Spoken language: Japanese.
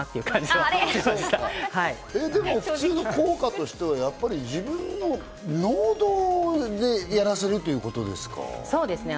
でも普通の効果としては自分の能動でやらせるってことですか？